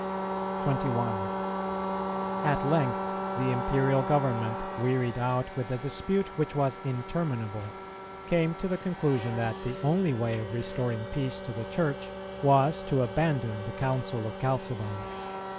21. At length the Imperial Government, wearied out with a dispute which was interminable, came to the conclusion that the only way of restoring peace to the Church was to abandon the Council of Chalcedon.